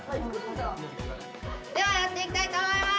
ではやっていきたいと思います。